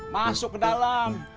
masuk ke dalam